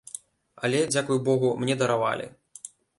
Але, дзякуй богу, мне даравалі.